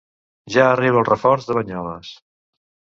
Ja arriba el reforç de Banyoles.